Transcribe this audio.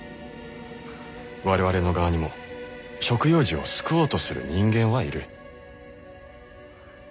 われわれの側にも食用児を救おうとする人間はいる。